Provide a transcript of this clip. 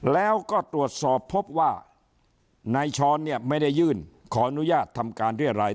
แล้วก็ตรวจสอบพบว่านายช้อนเนี่ยไม่ได้ยื่นขออนุญาตทำการเรียราย